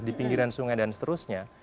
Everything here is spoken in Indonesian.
di pinggiran sungai dan seterusnya